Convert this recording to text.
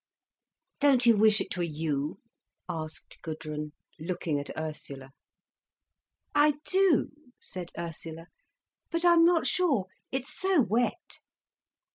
"Don't you wish it were you?" asked Gudrun, looking at Ursula. "I do," said Ursula. "But I'm not sure—it's so wet."